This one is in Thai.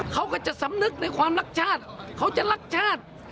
เขาก็จะสำนึกในความรักชาติเขาจะรักชาติ